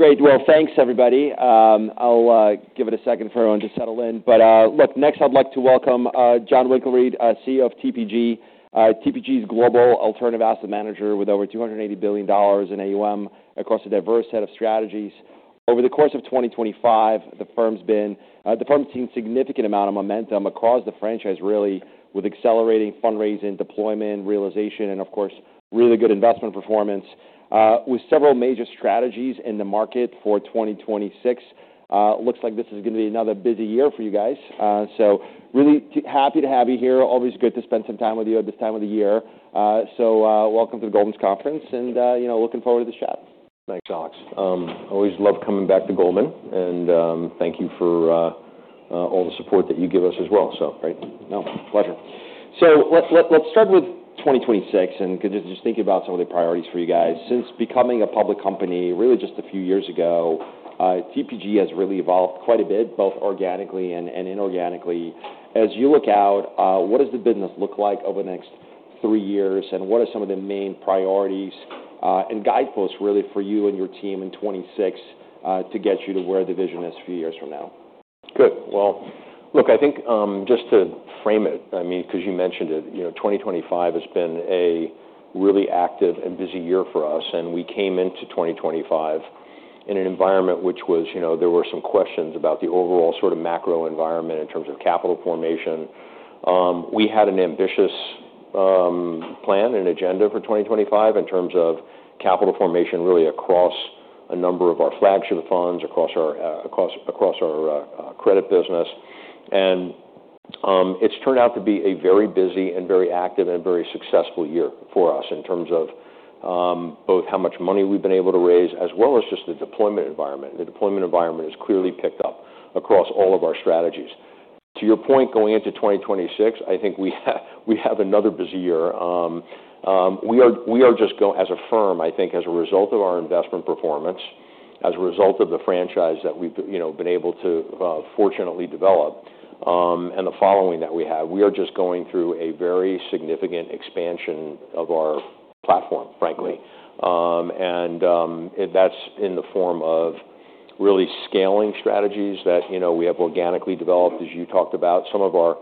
Great, great. Well, thanks, everybody. I'll give it a second for everyone to settle in. But look, next I'd like to welcome Jon Winkelried, CEO of TPG. TPG's global alternative asset manager with over $280 billion in AUM across a diverse set of strategies. Over the course of 2025, the firm's seen a significant amount of momentum across the franchise, really, with accelerating fundraising, deployment, realization, and, of course, really good investment performance, with several major strategies in the market for 2026. Looks like this is gonna be another busy year for you guys. So really happy to have you here. Always good to spend some time with you at this time of the year. So, welcome to the Goldman’s Conference, and, you know, looking forward to this chat. Thanks, Alex. Always love coming back to Goldman, and thank you for all the support that you give us as well, so. Great. No, pleasure. So let's start with 2026, and could you just think about some of the priorities for you guys? Since becoming a public company, really just a few years ago, TPG has really evolved quite a bit, both organically and inorganically. As you look out, what does the business look like over the next three years, and what are some of the main priorities and guideposts, really, for you and your team in 2026, to get you to where the vision is a few years from now? Good. Well, look, I think, just to frame it, I mean, 'cause you mentioned it, you know, 2025 has been a really active and busy year for us, and we came into 2025 in an environment which was, you know, there were some questions about the overall sort of macro environment in terms of capital formation. We had an ambitious plan and agenda for 2025 in terms of capital formation, really, across a number of our flagship funds, across our credit business. And it's turned out to be a very busy and very active and very successful year for us in terms of both how much money we've been able to raise as well as just the deployment environment. The deployment environment has clearly picked up across all of our strategies. To your point, going into 2026, I think we have another busy year. We are just growing as a firm, I think, as a result of our investment performance, as a result of the franchise that we've, you know, been able to, fortunately develop, and the following that we have. We are just going through a very significant expansion of our platform, frankly. Right. That's in the form of really scaling strategies that, you know, we have organically developed, as you talked about, some of our,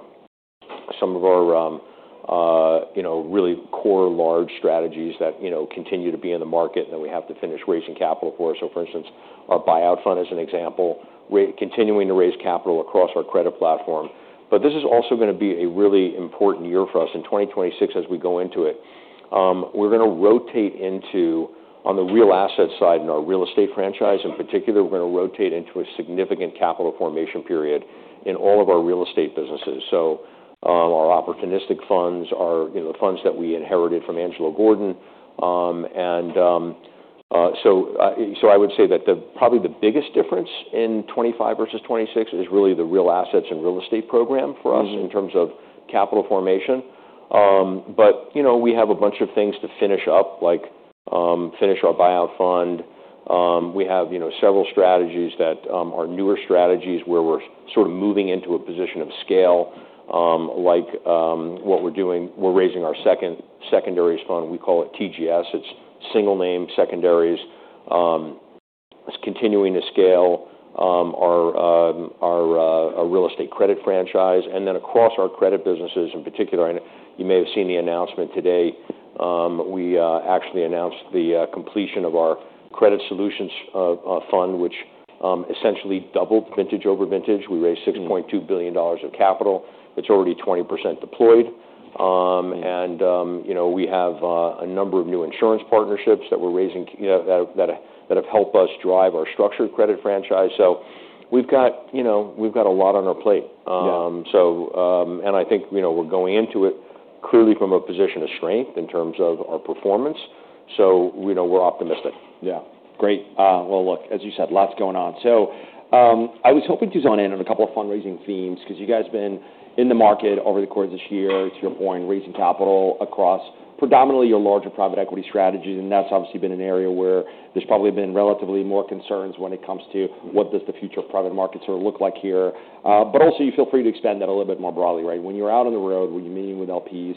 you know, really core large strategies that, you know, continue to be in the market, and then we have to finish raising capital for. So, for instance, our buyout fund, as an example, are continuing to raise capital across our credit platform. But this is also gonna be a really important year for us. In 2026, as we go into it, we're gonna rotate into, on the real asset side in our real estate franchise in particular, we're gonna rotate into a significant capital formation period in all of our real estate businesses. So, our opportunistic funds, you know, the funds that we inherited from Angelo Gordon, and so I would say that probably the biggest difference in 2025 versus 2026 is really the real assets and real estate program for us. Mm-hmm. In terms of capital formation, but you know, we have a bunch of things to finish up, like finish our buyout fund. We have, you know, several strategies that are newer strategies where we're sort of moving into a position of scale, like what we're doing. We're raising our second secondaries fund. We call it TGS. It's single-name secondaries. It's continuing to scale our real estate credit franchise. And then across our credit businesses in particular, and you may have seen the announcement today, we actually announced the completion of our Credit Solutions Fund, which essentially doubled vintage-over-vintage. We raised $6.2 billion of capital. It's already 20% deployed. And you know, we have a number of new insurance partnerships that we're raising, you know, that have helped us drive our structured credit franchise. So we've got, you know, we've got a lot on our plate. Yeah. So, and I think, you know, we're going into it clearly from a position of strength in terms of our performance. So, you know, we're optimistic. Yeah. Great, well, look, as you said, lots going on, so I was hoping to zone in on a couple of fundraising themes 'cause you guys have been in the market over the course of this year, to your point, raising capital across predominantly your larger private equity strategies. And that's obviously been an area where there's probably been relatively more concerns when it comes to what does the future private market sort of look like here, but also, you feel free to expand that a little bit more broadly, right? When you're out on the road, what you're hearing from LPs,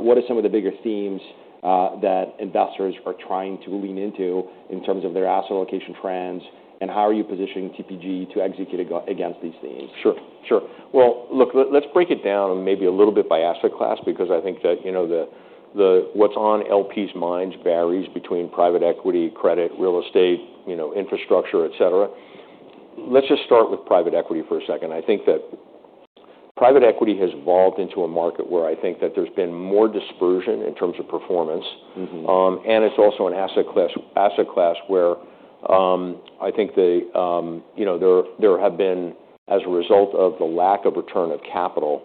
what are some of the bigger themes that investors are trying to lean into in terms of their asset allocation trends, and how are you positioning TPG to execute against these themes? Sure. Sure. Well, look, let's break it down maybe a little bit by asset class because I think that, you know, what's on LPs' minds varies between private equity, credit, real estate, you know, infrastructure, etc. Let's just start with private equity for a second. I think that private equity has evolved into a market where I think that there's been more dispersion in terms of performance. Mm-hmm. and it's also an asset class where, I think, you know, there have been, as a result of the lack of return of capital,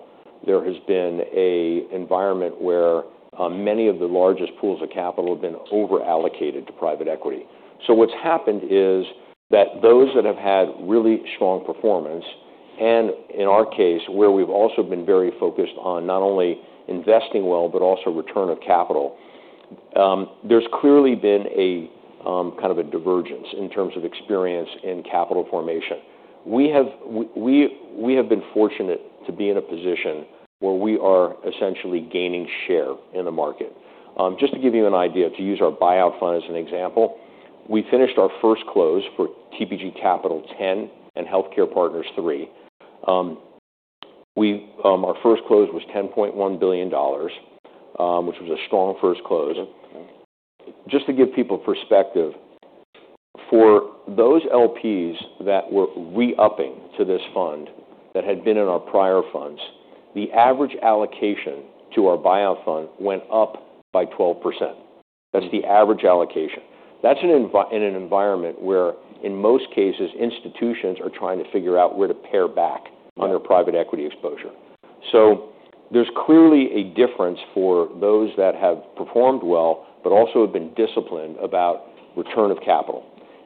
an environment where many of the largest pools of capital have been overallocated to private equity. So what's happened is that those that have had really strong performance, and in our case, where we've also been very focused on not only investing well but also return of capital, there's clearly been a kind of divergence in terms of experience in capital formation. We have been fortunate to be in a position where we are essentially gaining share in the market. Just to give you an idea, to use our buyout fund as an example, we finished our first close for TPG Capital X and Healthcare Partners III. We, our first close was $10.1 billion, which was a strong first close. Okay. Just to give people perspective, for those LPs that were re-upping to this fund that had been in our prior funds, the average allocation to our buyout fund went up by 12%. That's the average allocation. That's an environment where, in most cases, institutions are trying to figure out where to pare back on their private equity exposure. So there's clearly a difference for those that have performed well but also have been disciplined about return of capital.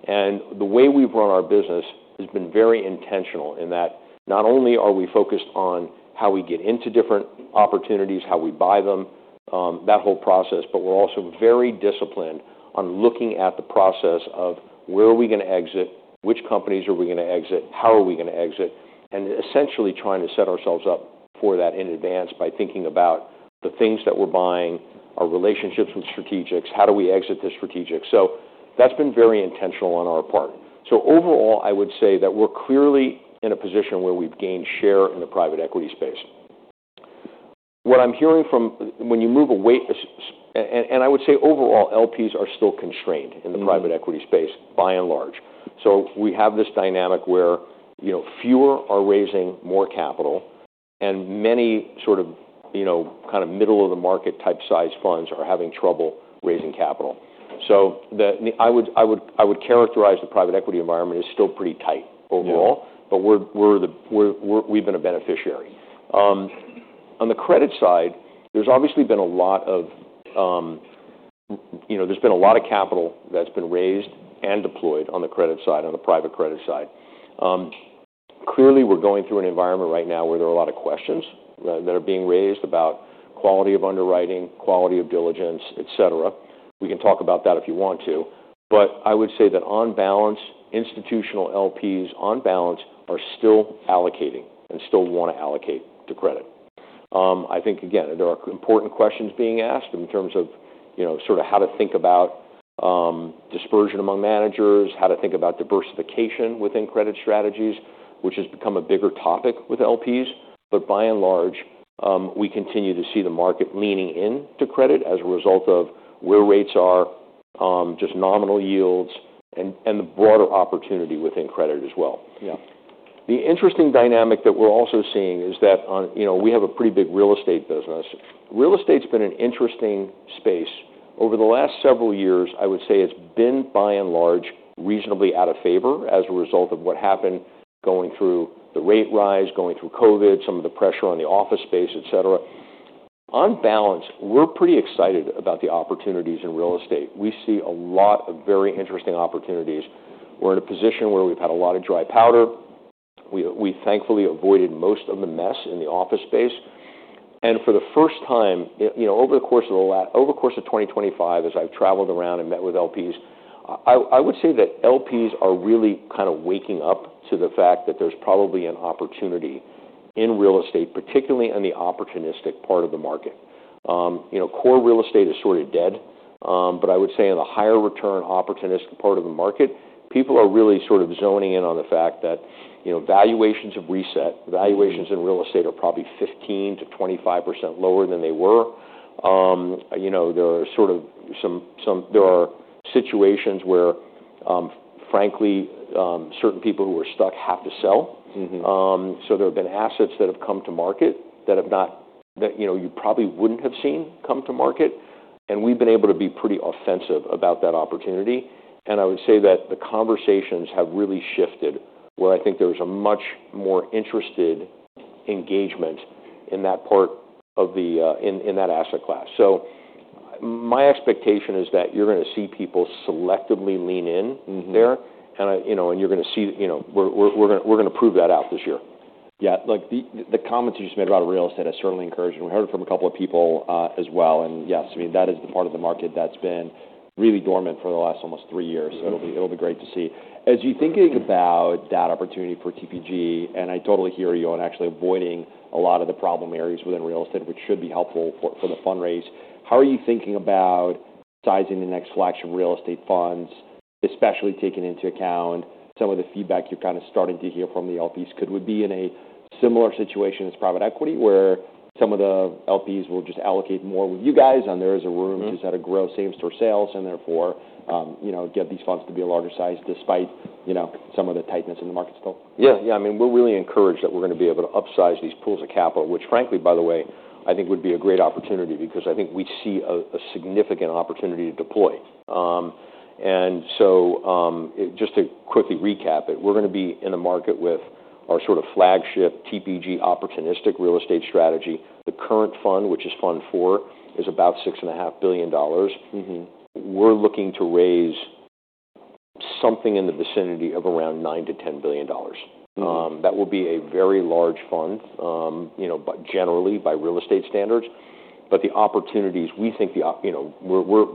The way we've run our business has been very intentional in that not only are we focused on how we get into different opportunities, how we buy them, that whole process, but we're also very disciplined on looking at the process of where are we gonna exit, which companies are we gonna exit, how are we gonna exit, and essentially trying to set ourselves up for that in advance by thinking about the things that we're buying, our relationships with strategics, how do we exit this strategic. That's been very intentional on our part. Overall, I would say that we're clearly in a position where we've gained share in the private equity space. What I'm hearing from when you move away, and I would say overall, LPs are still constrained in the private equity space by and large. We have this dynamic where, you know, fewer are raising more capital, and many sort of, you know, kind of middle-of-the-market-type size funds are having trouble raising capital. I would characterize the private equity environment as still pretty tight overall. Mm-hmm. But we've been a beneficiary. On the credit side, you know, there's been a lot of capital that's been raised and deployed on the credit side, on the private credit side. Clearly, we're going through an environment right now where there are a lot of questions that are being raised about quality of underwriting, quality of diligence, etc. We can talk about that if you want to. But I would say that on balance, institutional LPs are still allocating and still wanna allocate to credit. I think, again, there are important questions being asked in terms of, you know, sort of how to think about dispersion among managers, how to think about diversification within credit strategies, which has become a bigger topic with LPs. But by and large, we continue to see the market leaning into credit as a result of where rates are, just nominal yields, and, and the broader opportunity within credit as well. Yeah. The interesting dynamic that we're also seeing is that, you know, we have a pretty big real estate business. Real estate's been an interesting space. Over the last several years, I would say it's been by and large reasonably out of favor as a result of what happened going through the rate rise, going through COVID, some of the pressure on the office space, etc. On balance, we're pretty excited about the opportunities in real estate. We see a lot of very interesting opportunities. We're in a position where we've had a lot of dry powder. We thankfully avoided most of the mess in the office space. For the first time, you know, over the course of 2025, as I've traveled around and met with LPs, I would say that LPs are really kind of waking up to the fact that there's probably an opportunity in real estate, particularly in the opportunistic part of the market. You know, core real estate is sort of dead, but I would say in the higher return opportunistic part of the market, people are really sort of zeroing in on the fact that, you know, valuations have reset. Valuations in real estate are probably 15%-25% lower than they were. You know, there are sort of some situations where, frankly, certain people who are stuck have to sell. Mm-hmm. So there have been assets that have come to market that have not, you know, you probably wouldn't have seen come to market. And we've been able to be pretty offensive about that opportunity. And I would say that the conversations have really shifted where I think there's a much more interested engagement in that part of the asset class. So my expectation is that you're gonna see people selectively lean in. Mm-hmm. There. And I, you know, and you're gonna see, you know, we're gonna prove that out this year. Yeah. Look, the comments you just made about real estate are certainly encouraging. We heard it from a couple of people, as well. And yes, I mean, that is the part of the market that's been really dormant for the last almost three years. Yeah. It'll be great to see. As you're thinking about that opportunity for TPG, and I totally hear you on actually avoiding a lot of the problem areas within real estate, which should be helpful for the fundraise, how are you thinking about sizing the next flagship of real estate funds, especially taking into account some of the feedback you're kind of starting to hear from the LPs? Could we be in a similar situation as private equity where some of the LPs will just allocate more with you guys and there is a room? Mm-hmm. To sort of grow same-store sales and therefore, you know, get these funds to be a larger size despite, you know, some of the tightness in the market still? Yeah. Yeah. I mean, we're really encouraged that we're gonna be able to upsize these pools of capital, which, frankly, by the way, I think would be a great opportunity because I think we see a significant opportunity to deploy, and so, just to quickly recap it, we're gonna be in the market with our sort of flagship TPG opportunistic real estate strategy. The current fund, which is Fund IV, is about $6.5 billion. Mm-hmm. We're looking to raise something in the vicinity of around $9-$10 billion. Mm-hmm. that will be a very large fund, you know, but generally by real estate standards, but the opportunities, we think, you know, we're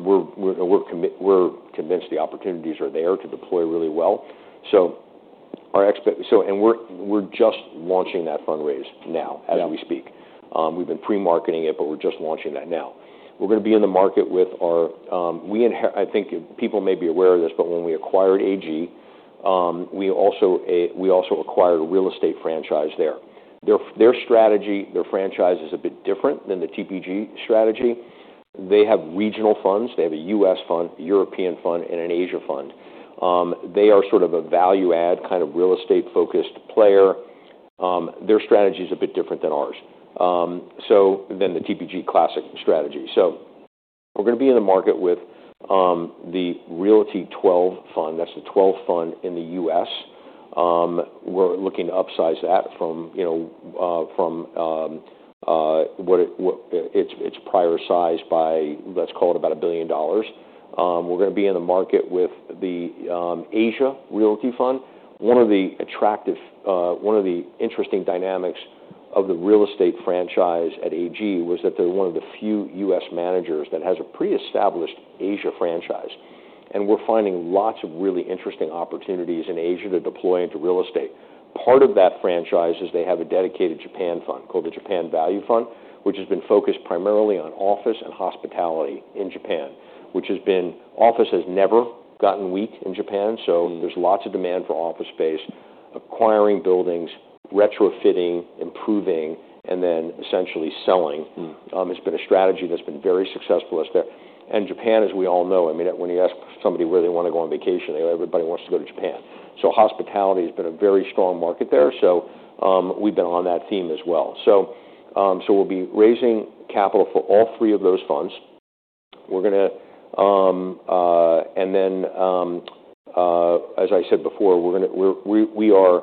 convinced the opportunities are there to deploy really well, so and we're just launching that fundraise now. Yeah. As we speak, we've been pre-marketing it, but we're just launching that now. We're gonna be in the market with our. I think people may be aware of this, but when we acquired AG, we also acquired a real estate franchise there. Their strategy, their franchise is a bit different than the TPG strategy. They have regional funds. They have a US fund, a European fund, and an Asia fund. They are sort of a value-add kind of real estate-focused player. Their strategy's a bit different than ours, so then the TPG classic strategy, so we're gonna be in the market with the Realty XII fund. That's the 12th fund in the US. We're looking to upsize that from, you know, what it's prior size by let's call it about $1 billion. We're gonna be in the market with the Asia Realty Fund. One of the interesting dynamics of the real estate franchise at AG was that they're one of the few US managers that has a pre-established Asia franchise. We're finding lots of really interesting opportunities in Asia to deploy into real estate. Part of that franchise is they have a dedicated Japan fund called the Japan Value Fund, which has been focused primarily on office and hospitality in Japan. Office has never gotten weak in Japan. So. Mm-hmm. There's lots of demand for office space, acquiring buildings, retrofitting, improving, and then essentially selling. Mm-hmm. It's been a strategy that's been very successful there. Japan, as we all know, I mean, when you ask somebody where they wanna go on vacation, they everybody wants to go to Japan. Hospitality has been a very strong market there. We've been on that theme as well. We'll be raising capital for all three of those funds. We're gonna, and then, as I said before, we are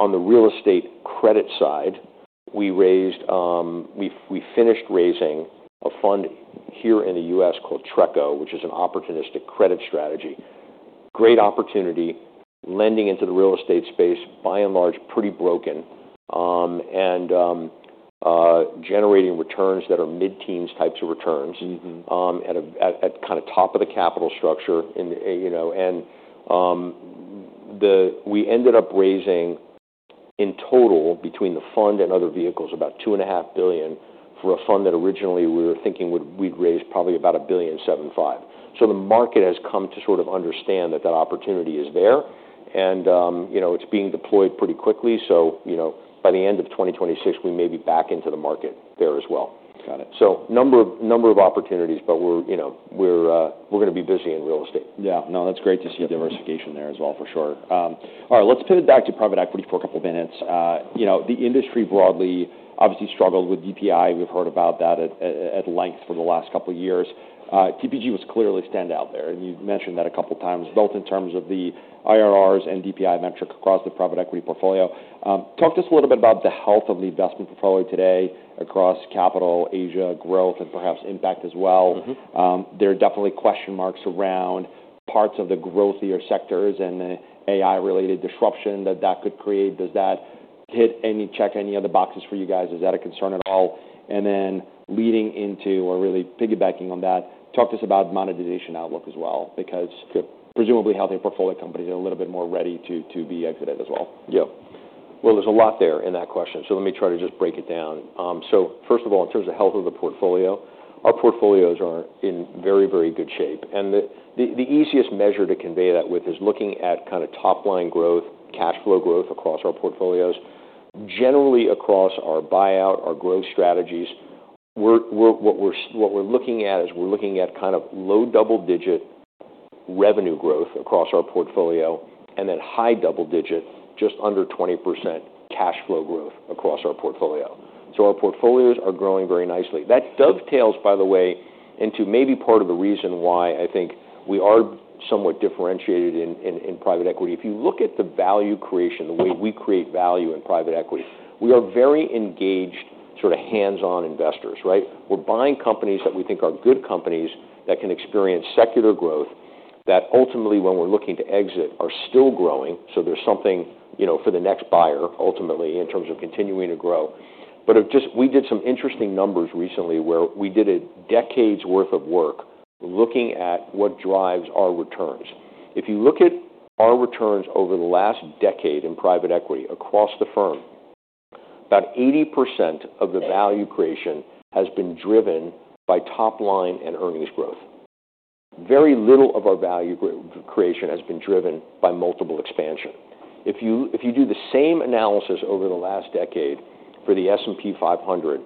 on the real estate credit side. We finished raising a fund here in the US called TRECO, which is an opportunistic credit strategy. Great opportunity, lending into the real estate space, by and large, pretty broken, and generating returns that are mid-teens types of returns. Mm-hmm. At the top of the capital structure, you know, and we ended up raising in total between the fund and other vehicles about $2.5 billion for a fund that originally we were thinking we'd raise probably about $1.75 billion. So the market has come to sort of understand that opportunity is there. And, you know, it's being deployed pretty quickly. So, you know, by the end of 2026, we may be back into the market there as well. Got it. So, a number of opportunities, but we're, you know, gonna be busy in real estate. Yeah. No, that's great to see diversification there as well, for sure. All right. Let's pivot back to private equity for a couple of minutes. You know, the industry broadly obviously struggled with DPI. We've heard about that at length for the last couple of years. TPG was clearly a standout there. And you've mentioned that a couple of times, both in terms of the IRRs and DPI metric across the private equity portfolio. Talk to us a little bit about the health of the investment portfolio today across capital, Asia, growth, and perhaps impact as well. Mm-hmm. There are definitely question marks around parts of the growthier sectors and the AI-related disruption that that could create. Does that check any of the boxes for you guys? Is that a concern at all? And then leading into or really piggybacking on that, talk to us about monetization outlook as well because. Yeah. Presumably healthier portfolio companies are a little bit more ready to be exited as well. Yeah. Well, there's a lot there in that question. So let me try to just break it down. So first of all, in terms of health of the portfolio, our portfolios are in very, very good shape. And the easiest measure to convey that with is looking at kind of top-line growth, cash flow growth across our portfolios. Generally, across our buyout, our growth strategies, what we're looking at is kind of low double-digit revenue growth across our portfolio and then high double-digit, just under 20% cash flow growth across our portfolio. So our portfolios are growing very nicely. That dovetails, by the way, into maybe part of the reason why I think we are somewhat differentiated in private equity. If you look at the value creation, the way we create value in private equity, we are very engaged sort of hands-on investors, right? We're buying companies that we think are good companies that can experience secular growth that ultimately, when we're looking to exit, are still growing. So there's something, you know, for the next buyer ultimately in terms of continuing to grow. But it just we did some interesting numbers recently where we did a decade's worth of work looking at what drives our returns. If you look at our returns over the last decade in private equity across the firm, about 80% of the value creation has been driven by top-line and earnings growth. Very little of our value creation has been driven by multiple expansion. If you do the same analysis over the last decade for the S&P 500,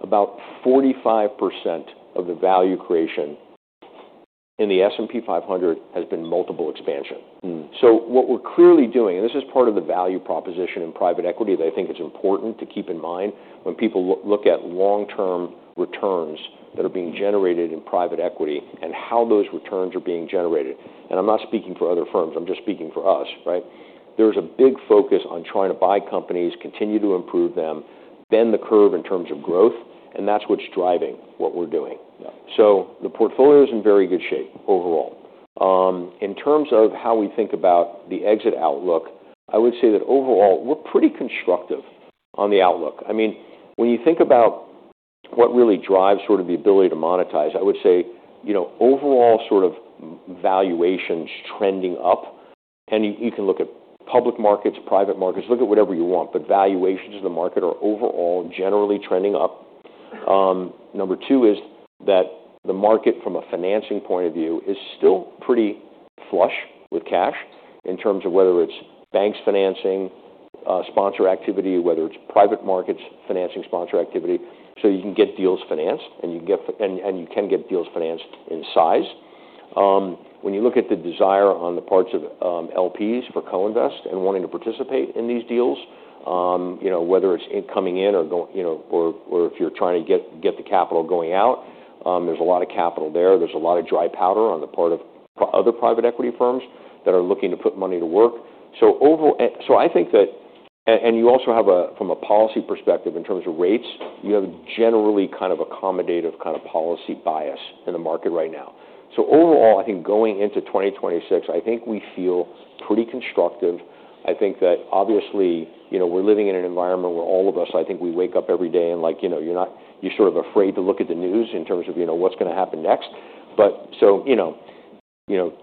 about 45% of the value creation in the S&P 500 has been multiple expansion. Mm-hmm. So what we're clearly doing, and this is part of the value proposition in private equity that I think is important to keep in mind when people look at long-term returns that are being generated in private equity and how those returns are being generated. And I'm not speaking for other firms. I'm just speaking for us, right? There's a big focus on trying to buy companies, continue to improve them, bend the curve in terms of growth. And that's what's driving what we're doing. Yeah. The portfolio's in very good shape overall. In terms of how we think about the exit outlook, I would say that overall, we're pretty constructive on the outlook. I mean, when you think about what really drives sort of the ability to monetize, I would say, you know, overall sort of valuations trending up. And you can look at public markets, private markets, look at whatever you want. But valuations in the market are overall generally trending up. Number two is that the market, from a financing point of view, is still pretty flush with cash in terms of whether it's banks financing, sponsor activity, whether it's private markets financing sponsor activity. So you can get deals financed, and you can get deals financed in size. When you look at the desire on the parts of LPs for co-invest and wanting to participate in these deals, you know, whether it's incoming or going, you know, or, or if you're trying to get the capital going out, there's a lot of capital there. There's a lot of dry powder on the part of other private equity firms that are looking to put money to work. So overall, I think that, and you also have a from a policy perspective in terms of rates, you have a generally kind of accommodative kind of policy bias in the market right now. So overall, I think going into 2026, I think we feel pretty constructive. I think that obviously, you know, we're living in an environment where all of us, I think we wake up every day and, like, you know, you're sort of afraid to look at the news in terms of, you know, what's gonna happen next. But so, you know,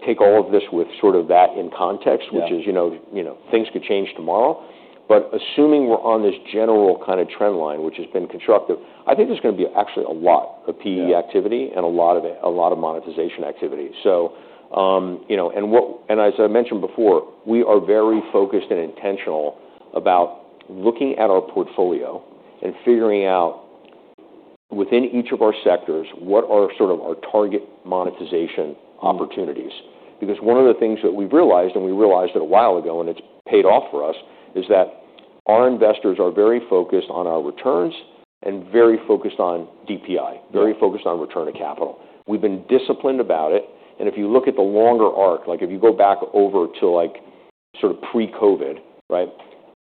take all of this with sort of that in context. Mm-hmm. Which is, you know, things could change tomorrow. But assuming we're on this general kind of trend line, which has been constructive, I think there's gonna be actually a lot of PE activity. Mm-hmm. A lot of monetization activity. So, you know, and as I mentioned before, we are very focused and intentional about looking at our portfolio and figuring out within each of our sectors what are sort of our target monetization opportunities. Because one of the things that we've realized, and we realized it a while ago, and it's paid off for us, is that our investors are very focused on our returns and very focused on DPI. Mm-hmm. Very focused on return to capital. We've been disciplined about it. If you look at the longer arc, like if you go back over to, like, sort of pre-COVID, right,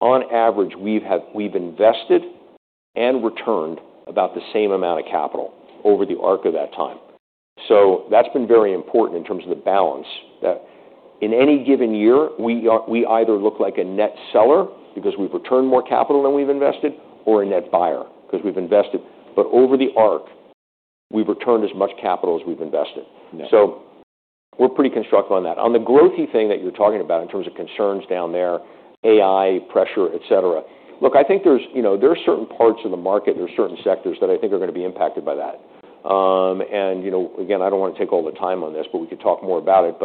on average, we've invested and returned about the same amount of capital over the arc of that time. So that's been very important in terms of the balance that in any given year, we are either look like a net seller because we've returned more capital than we've invested or a net buyer because we've invested. But over the arc, we've returned as much capital as we've invested. Yeah. So we're pretty constructive on that. On the growthy thing that you're talking about in terms of concerns down there, AI pressure, etc., look, I think there's, you know, there are certain parts of the market, there's certain sectors that I think are gonna be impacted by that. And, you know, again, I don't wanna take all the time on this, but we could talk more about it.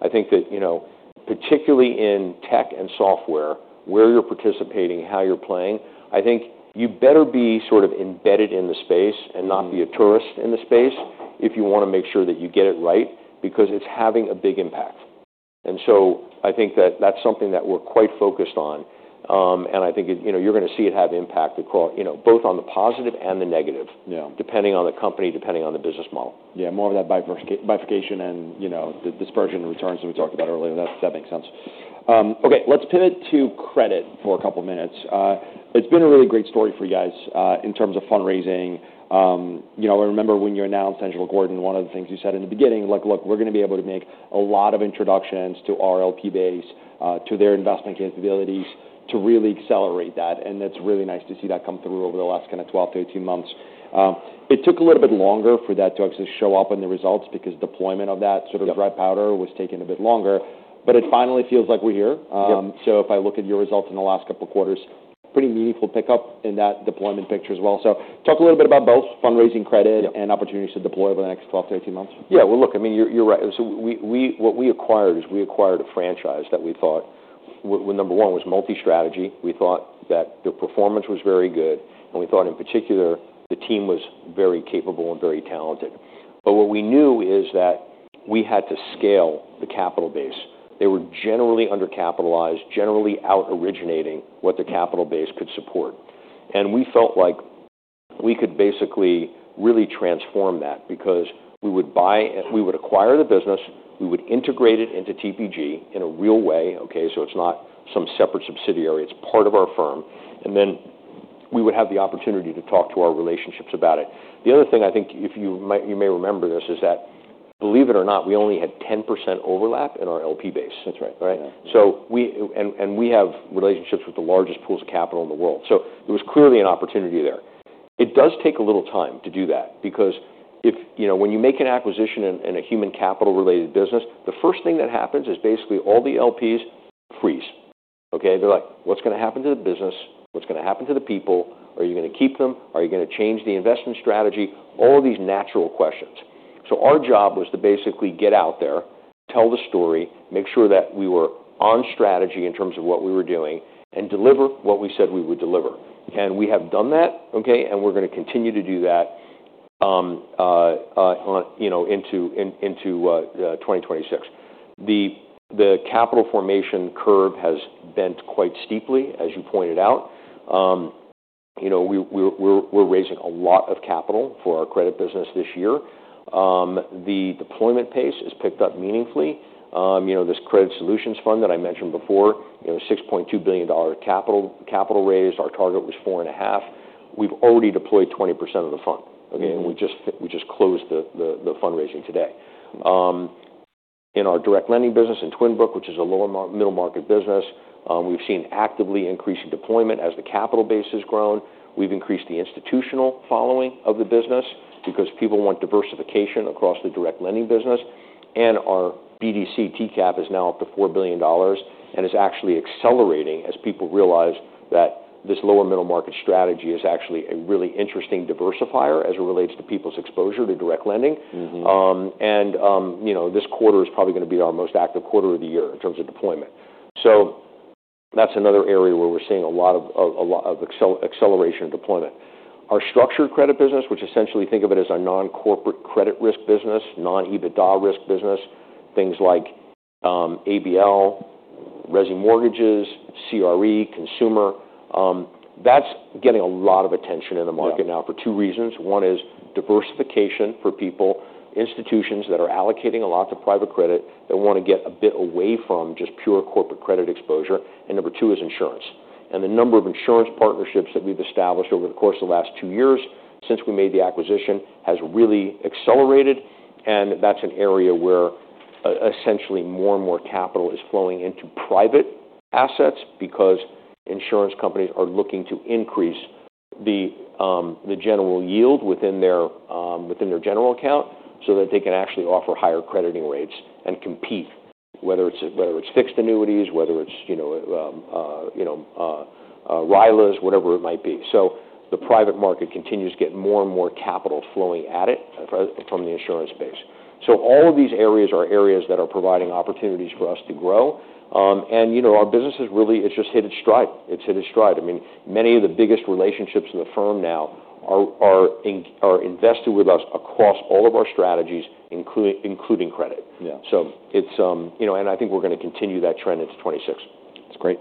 But I think that, you know, particularly in tech and software, where you're participating, how you're playing, I think you better be sort of embedded in the space and not be a tourist in the space if you wanna make sure that you get it right because it's having a big impact. And so I think that that's something that we're quite focused on. and I think it, you know, you're gonna see it have impact across, you know, both on the positive and the negative. Yeah. Depending on the company, depending on the business model. Yeah. More of that bifurcation and, you know, the dispersion of returns that we talked about earlier. That, that makes sense. Okay. Let's pivot to credit for a couple of minutes. It's been a really great story for you guys, in terms of fundraising. You know, I remember when you announced Angelo Gordon, one of the things you said in the beginning, like, "Look, we're gonna be able to make a lot of introductions to our LP base, to their investment capabilities to really accelerate that." And that's really nice to see that come through over the last kind of 12 to 18 months. It took a little bit longer for that to actually show up in the results because deployment of that sort of dry powder was taking a bit longer. But it finally feels like we're here. Yeah. So if I look at your results in the last couple of quarters, pretty meaningful pickup in that deployment picture as well. So talk a little bit about both fundraising credit. Yeah. And opportunities to deploy over the next 12-18 months. Yeah. Well, look, I mean, you're right. So what we acquired is we acquired a franchise that we thought well, number one was multi-strategy. We thought that the performance was very good. And we thought, in particular, the team was very capable and very talented. But what we knew is that we had to scale the capital base. They were generally undercapitalized, generally out-originating what the capital base could support. And we felt like we could basically really transform that because we would acquire the business. We would integrate it into TPG in a real way, okay? So it's not some separate subsidiary. It's part of our firm. And then we would have the opportunity to talk to our relationships about it. The other thing I think if you may remember this is that, believe it or not, we only had 10% overlap in our LP base. That's right. Right? So we and we have relationships with the largest pools of capital in the world. So there was clearly an opportunity there. It does take a little time to do that because, you know, when you make an acquisition in a human capital-related business, the first thing that happens is basically all the LPs freeze, okay? They're like, "What's gonna happen to the business? What's gonna happen to the people? Are you gonna keep them? Are you gonna change the investment strategy?" All of these natural questions. So our job was to basically get out there, tell the story, make sure that we were on strategy in terms of what we were doing, and deliver what we said we would deliver. And we have done that, okay? And we're gonna continue to do that, you know, into 2026. The capital formation curve has bent quite steeply, as you pointed out. You know, we're raising a lot of capital for our credit business this year. The deployment pace has picked up meaningfully. You know, this Credit Solutions Fund that I mentioned before, you know, $6.2 billion capital raise. Our target was $4.5 billion. We've already deployed 20% of the fund, okay? And we just closed the fundraising today. In our direct lending business in Twin Brook, which is a lower-middle-market business, we've seen actively increasing deployment as the capital base has grown. We've increased the institutional following of the business because people want diversification across the direct lending business. Our BDC TCAP is now up to $4 billion and is actually accelerating as people realize that this lower-middle-market strategy is actually a really interesting diversifier as it relates to people's exposure to direct lending. Mm-hmm. You know, this quarter is probably gonna be our most active quarter of the year in terms of deployment. So that's another area where we're seeing a lot of acceleration of deployment. Our structured credit business, which essentially think of it as a non-corporate credit risk business, non-EBITDA risk business, things like ABL, resi Mortgages, CRE, consumer, that's getting a lot of attention in the market now for two reasons. One is diversification for people, institutions that are allocating a lot to private credit that wanna get a bit away from just pure corporate credit exposure. And number two is insurance. And the number of insurance partnerships that we've established over the course of the last two years since we made the acquisition has really accelerated. And that's an area where essentially more and more capital is flowing into private assets because insurance companies are looking to increase the general yield within their general account so that they can actually offer higher crediting rates and compete, whether it's fixed annuities, whether it's, you know, RILAs, whatever it might be. So the private market continues to get more and more capital flowing at it, from the insurance space. So all of these areas are areas that are providing opportunities for us to grow. And, you know, our business has really just hit its stride. It's hit its stride. I mean, many of the biggest relationships in the firm now are invested with us across all of our strategies, including credit. Yeah. So it's, you know, and I think we're gonna continue that trend into 2026. That's great.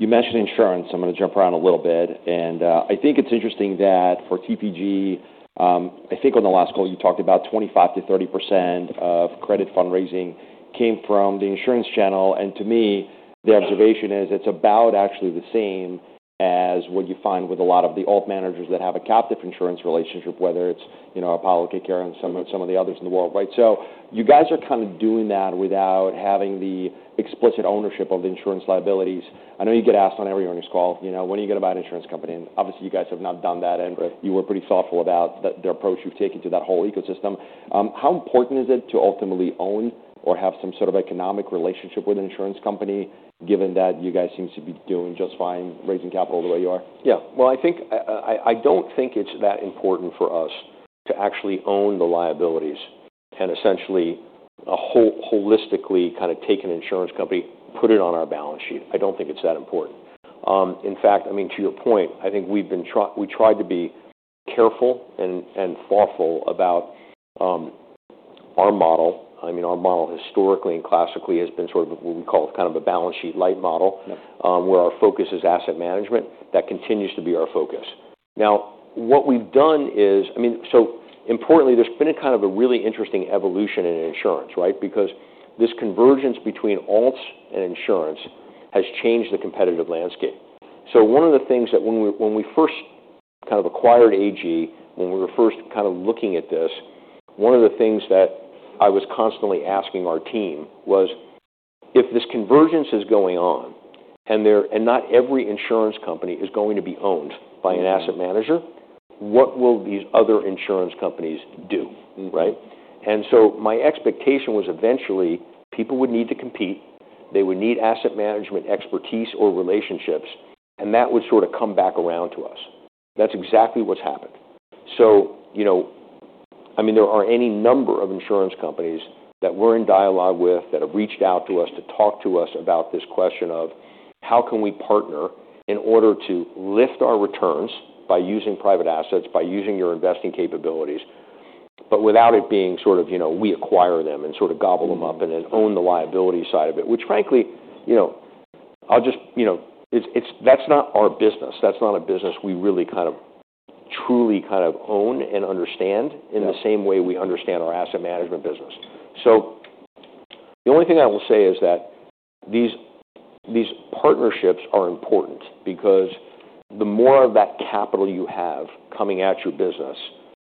You mentioned insurance. I'm gonna jump around a little bit. I think it's interesting that for TPG, I think on the last call, you talked about 25%-30% of credit fundraising came from the insurance channel. And to me, the observation is it's about actually the same as what you find with a lot of the alt managers that have a captive insurance relationship, whether it's, you know, Apollo, KKR and some of the others in the world, right? So you guys are kind of doing that without having the explicit ownership of the insurance liabilities. I know you get asked on every earnings call, you know, "What do you get about insurance company?" And obviously, you guys have not done that. Right. And you were pretty thoughtful about the approach you've taken to that whole ecosystem. How important is it to ultimately own or have some sort of economic relationship with an insurance company, given that you guys seem to be doing just fine raising capital the way you are? Yeah. Well, I think I don't think it's that important for us to actually own the liabilities and essentially a whole holistically kind of take an insurance company, put it on our balance sheet. I don't think it's that important. In fact, I mean, to your point, I think we tried to be careful and thoughtful about our model. I mean, our model historically and classically has been sort of what we call kind of a balance sheet light model. Yep. Where our focus is asset management. That continues to be our focus. Now, what we've done is, I mean, so importantly, there's been a kind of a really interesting evolution in insurance, right? Because this convergence between alts and insurance has changed the competitive landscape. So one of the things that, when we first kind of acquired AG, when we were first kind of looking at this, one of the things that I was constantly asking our team was, "If this convergence is going on and not every insurance company is going to be owned by an asset manager, what will these other insurance companies do? Mm-hmm. Right? And so my expectation was eventually people would need to compete. They would need asset management expertise or relationships. And that would sort of come back around to us. That's exactly what's happened. So, you know, I mean, there are any number of insurance companies that we're in dialogue with that have reached out to us to talk to us about this question of, "How can we partner in order to lift our returns by using private assets, by using your investing capabilities?" But without it being sort of, you know, we acquire them and sort of gobble them up and then own the liability side of it, which frankly, you know, I'll just, you know, it's that's not our business. That's not a business we really kind of truly kind of own and understand in the same way we understand our asset management business. The only thing I will say is that these, these partnerships are important because the more of that capital you have coming at your business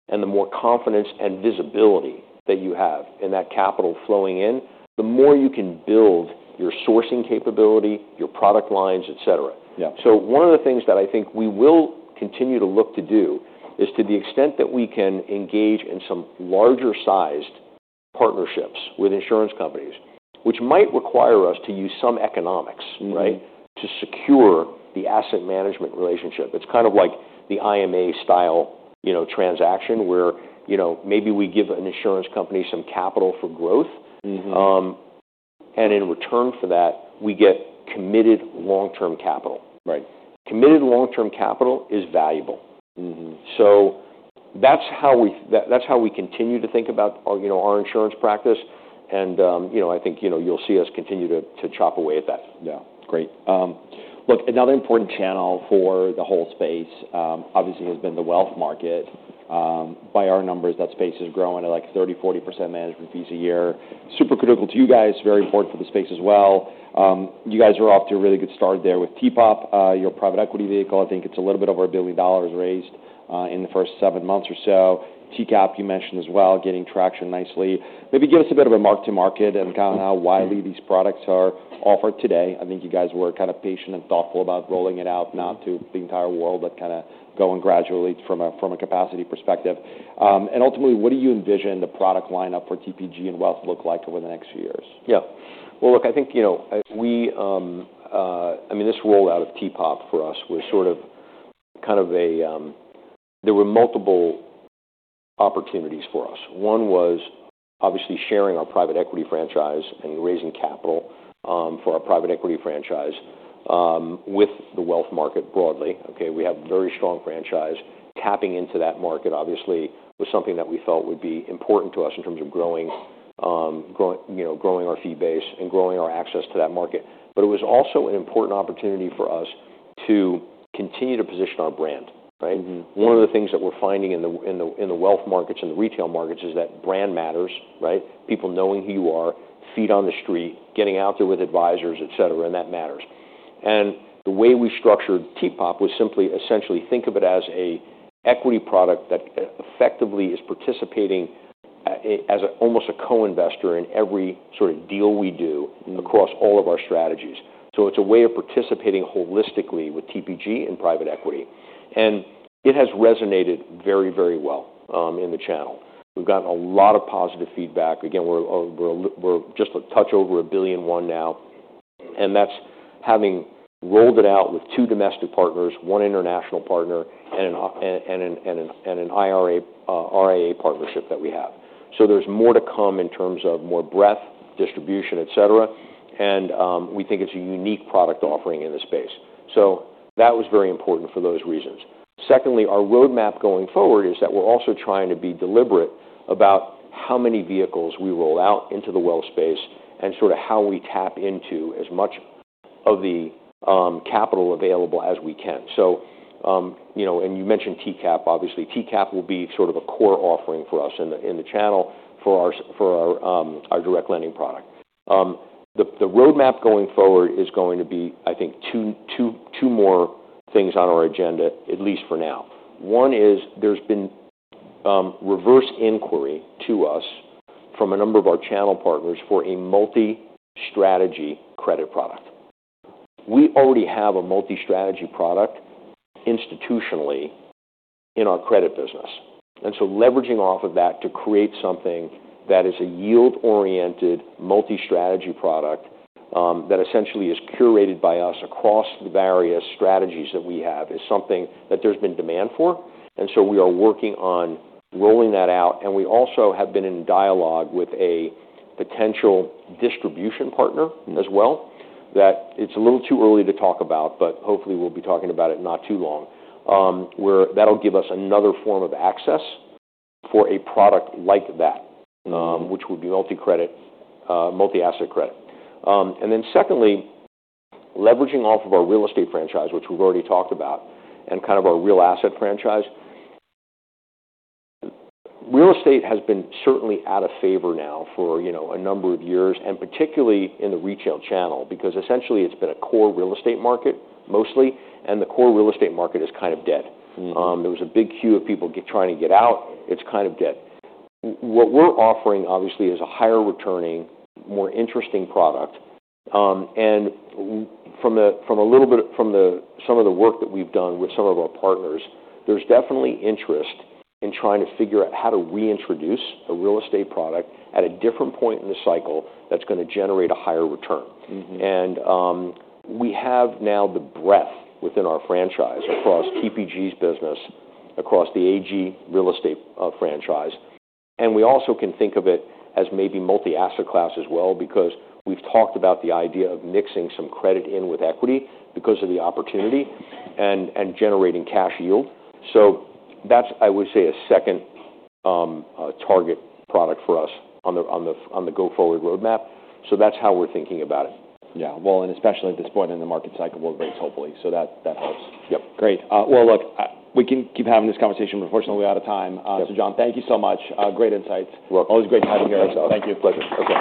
and the more confidence and visibility that you have in that capital flowing in, the more you can build your sourcing capability, your product lines, etc. Yeah. One of the things that I think we will continue to look to do is, to the extent that we can engage in some larger-sized partnerships with insurance companies, which might require us to use some economics, right, to secure the asset management relationship. It's kind of like the IMA-style, you know, transaction where, you know, maybe we give an insurance company some capital for growth. Mm-hmm. And in return for that, we get committed long-term capital. Right. Committed long-term capital is valuable. Mm-hmm. So that's how we continue to think about our, you know, our insurance practice. And, you know, I think, you know, you'll see us continue to chop away at that. Yeah. Great. Look, another important channel for the whole space, obviously has been the wealth market. By our numbers, that space is growing at like 30%-40% management fees a year. Super critical to you guys. Very important for the space as well. You guys are off to a really good start there with TPOP, your private equity vehicle. I think it's a little bit over $1 billion raised, in the first seven months or so. TCAP, you mentioned as well, getting traction nicely. Maybe give us a bit of a mark-to-market and kind of how widely these products are offered today. I think you guys were kind of patient and thoughtful about rolling it out not to the entire world, but kind of going gradually from a capacity perspective. And ultimately, what do you envision the product lineup for TPG and wealth look like over the next few years? Yeah. Well, look, I think, you know, we, I mean, this rollout of TPOP for us was sort of kind of a, there were multiple opportunities for us. One was obviously sharing our private equity franchise and raising capital, for our private equity franchise, with the wealth market broadly, okay? We have a very strong franchise. Tapping into that market, obviously, was something that we felt would be important to us in terms of growing, you know, growing our fee base and growing our access to that market. But it was also an important opportunity for us to continue to position our brand, right? Mm-hmm. One of the things that we're finding in the wealth markets and the retail markets is that brand matters, right? People knowing who you are, feet on the street, getting out there with advisors, etc., and that matters. The way we structured TPOP was simply essentially think of it as an equity product that effectively is participating as almost a co-investor in every sort of deal we do across all of our strategies. So it's a way of participating holistically with TPG and private equity. It has resonated very, very well in the channel. We've gotten a lot of positive feedback. Again, we're just a touch over $1.1 billion now. That's having rolled it out with two domestic partners, one international partner, and an RIA partnership that we have. So there's more to come in terms of more breadth, distribution, etc. And we think it's a unique product offering in this space. So that was very important for those reasons. Secondly, our roadmap going forward is that we're also trying to be deliberate about how many vehicles we roll out into the wealth space and sort of how we tap into as much of the capital available as we can. So you know, and you mentioned TCAP, obviously. TCAP will be sort of a core offering for us in the channel for our direct lending product. The roadmap going forward is going to be, I think, two more things on our agenda, at least for now. One is there's been reverse inquiry to us from a number of our channel partners for a multi-strategy credit product. We already have a multi-strategy product institutionally in our credit business, and so leveraging off of that to create something that is a yield-oriented multi-strategy product, that essentially is curated by us across the various strategies that we have, is something that there's been demand for, and so we are working on rolling that out, and we also have been in dialogue with a potential distribution partner as well that it's a little too early to talk about, but hopefully we'll be talking about it in not too long, where that'll give us another form of access for a product like that, which would be multi-credit, multi-asset credit. And then secondly, leveraging off of our real estate franchise, which we've already talked about, and kind of our real asset franchise, real estate has been certainly out of favor now for, you know, a number of years, and particularly in the retail channel because essentially it's been a core real estate market mostly. And the core real estate market is kind of dead. Mm-hmm. There was a big queue of people trying to get out. It's kind of dead. What we're offering, obviously, is a higher-returning, more interesting product, and from a little bit of some of the work that we've done with some of our partners, there's definitely interest in trying to figure out how to reintroduce a real estate product at a different point in the cycle that's gonna generate a higher return. Mm-hmm. We have now the breadth within our franchise across TPG's business, across the AG real estate, franchise. We also can think of it as maybe multi-asset class as well because we've talked about the idea of mixing some credit in with equity because of the opportunity and generating cash yield. That's, I would say, a second, target product for us on the GoFore roadmap. That's how we're thinking about it. Yeah, well, and especially at this point in the market cycle, we'll raise hopefully. So that helps. Yep. Great, well, look, we can keep having this conversation, but unfortunately, we're out of time. Yep. So, Jon, thank you so much. Great insights. You're welcome. Always great having you here. Thank you. Thank you. Pleasure.